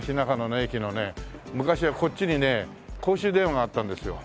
昔はこっちにね公衆電話があったんですよ。